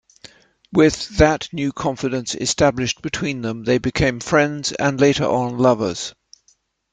With that new confidence established between them, they become friends and, later on, lovers.